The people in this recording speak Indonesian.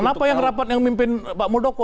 kenapa yang rapat yang mimpin pak muldoko